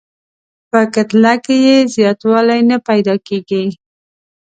په کتله کې یې زیاتوالی نه پیدا کیږي.